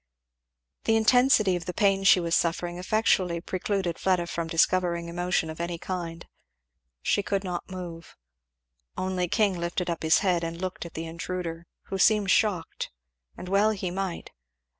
The intensity of the pain she was suffering effectually precluded Fleda from discovering emotion of any kind. She could not move. Only King lifted up his head and looked at the intruder, who seemed shocked, and well he might.